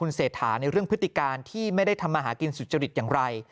เศรษฐาในเรื่องพฤติการที่ไม่ได้ทำมาหากินสุจริตอย่างไร